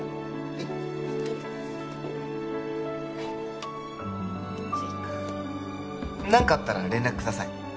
はいはい追加何かあったら連絡ください